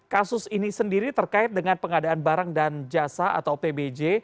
kasus ini sendiri terkait dengan pengadaan barang dan jasa atau pbj